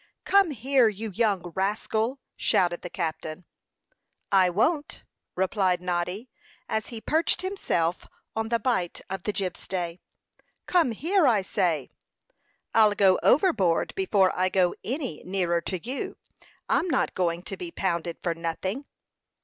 "Come here, you young rascal!" shouted the captain. "I won't," replied Noddy, as he perched himself on the bight of the jib stay. "Come here, I say!" "I'll go overboard before I go any nearer to you. I'm not going to be pounded for nothing."